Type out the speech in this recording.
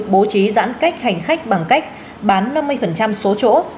bố trí giãn cách hành khách bằng cách bán năm mươi số chỗ